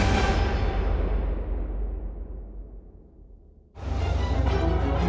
สวัสดีครับ